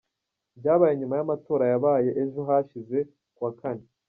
byabaye nyuma y’amatora yabaye ejo hashize ku wa Kane.